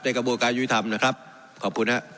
ในกระโบกายุทธรรมนะครับขอบคุณครับ